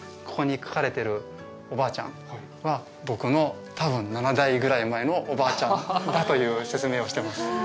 ここに描かれてるおばあちゃんは僕の多分７代ぐらい前のおばあちゃんだという説明をしてます